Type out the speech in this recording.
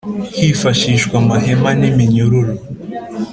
hifashishwa amahema n’iminyururu